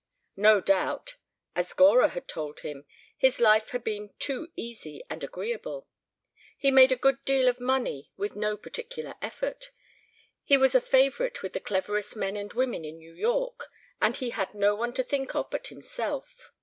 No doubt, as Gora had told him, his life had been too easy and agreeable; he made a good deal of money with no particular effort, he was a favorite with the cleverest men and women in New York, and he had no one to think of but himself.